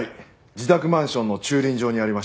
自宅マンションの駐輪場にありました。